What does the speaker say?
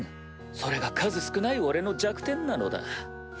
それが数少ない俺の弱点なのだ。